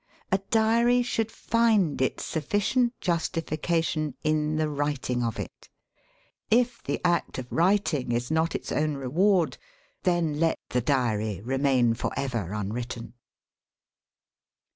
A diary should find its sufficient justificar tion in the writing of it. If the act of writing is not its own reward, then let the diary remain for ever unwritten.